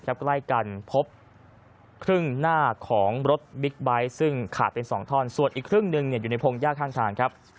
ใกล้กันพบครึ่งหน้าของรถบิ๊กไบท์ซึ่งขาดเป็น๒ท่อนส่วนอีกครึ่งหนึ่งอยู่ในพงหญ้าข้างทางครับ